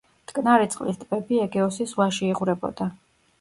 მტკნარი წლის ტბები ეგეოსის ზღვაში იღვრებოდა.